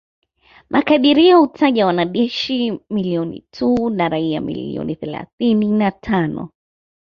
Makadirio hutaja wanajeshi milioni tu na raia milioni thelathini na tano